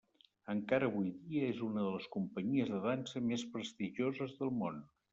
Encara avui dia és una de les companyies de dansa més prestigioses del món.